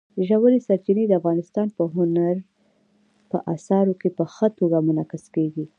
ژورې سرچینې د افغانستان په هنر په اثار کې په ښه توګه منعکس کېږي.